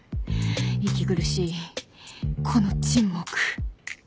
息苦しいこの沈黙